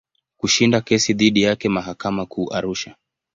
Kushinda kesi dhidi yake mahakama Kuu Arusha.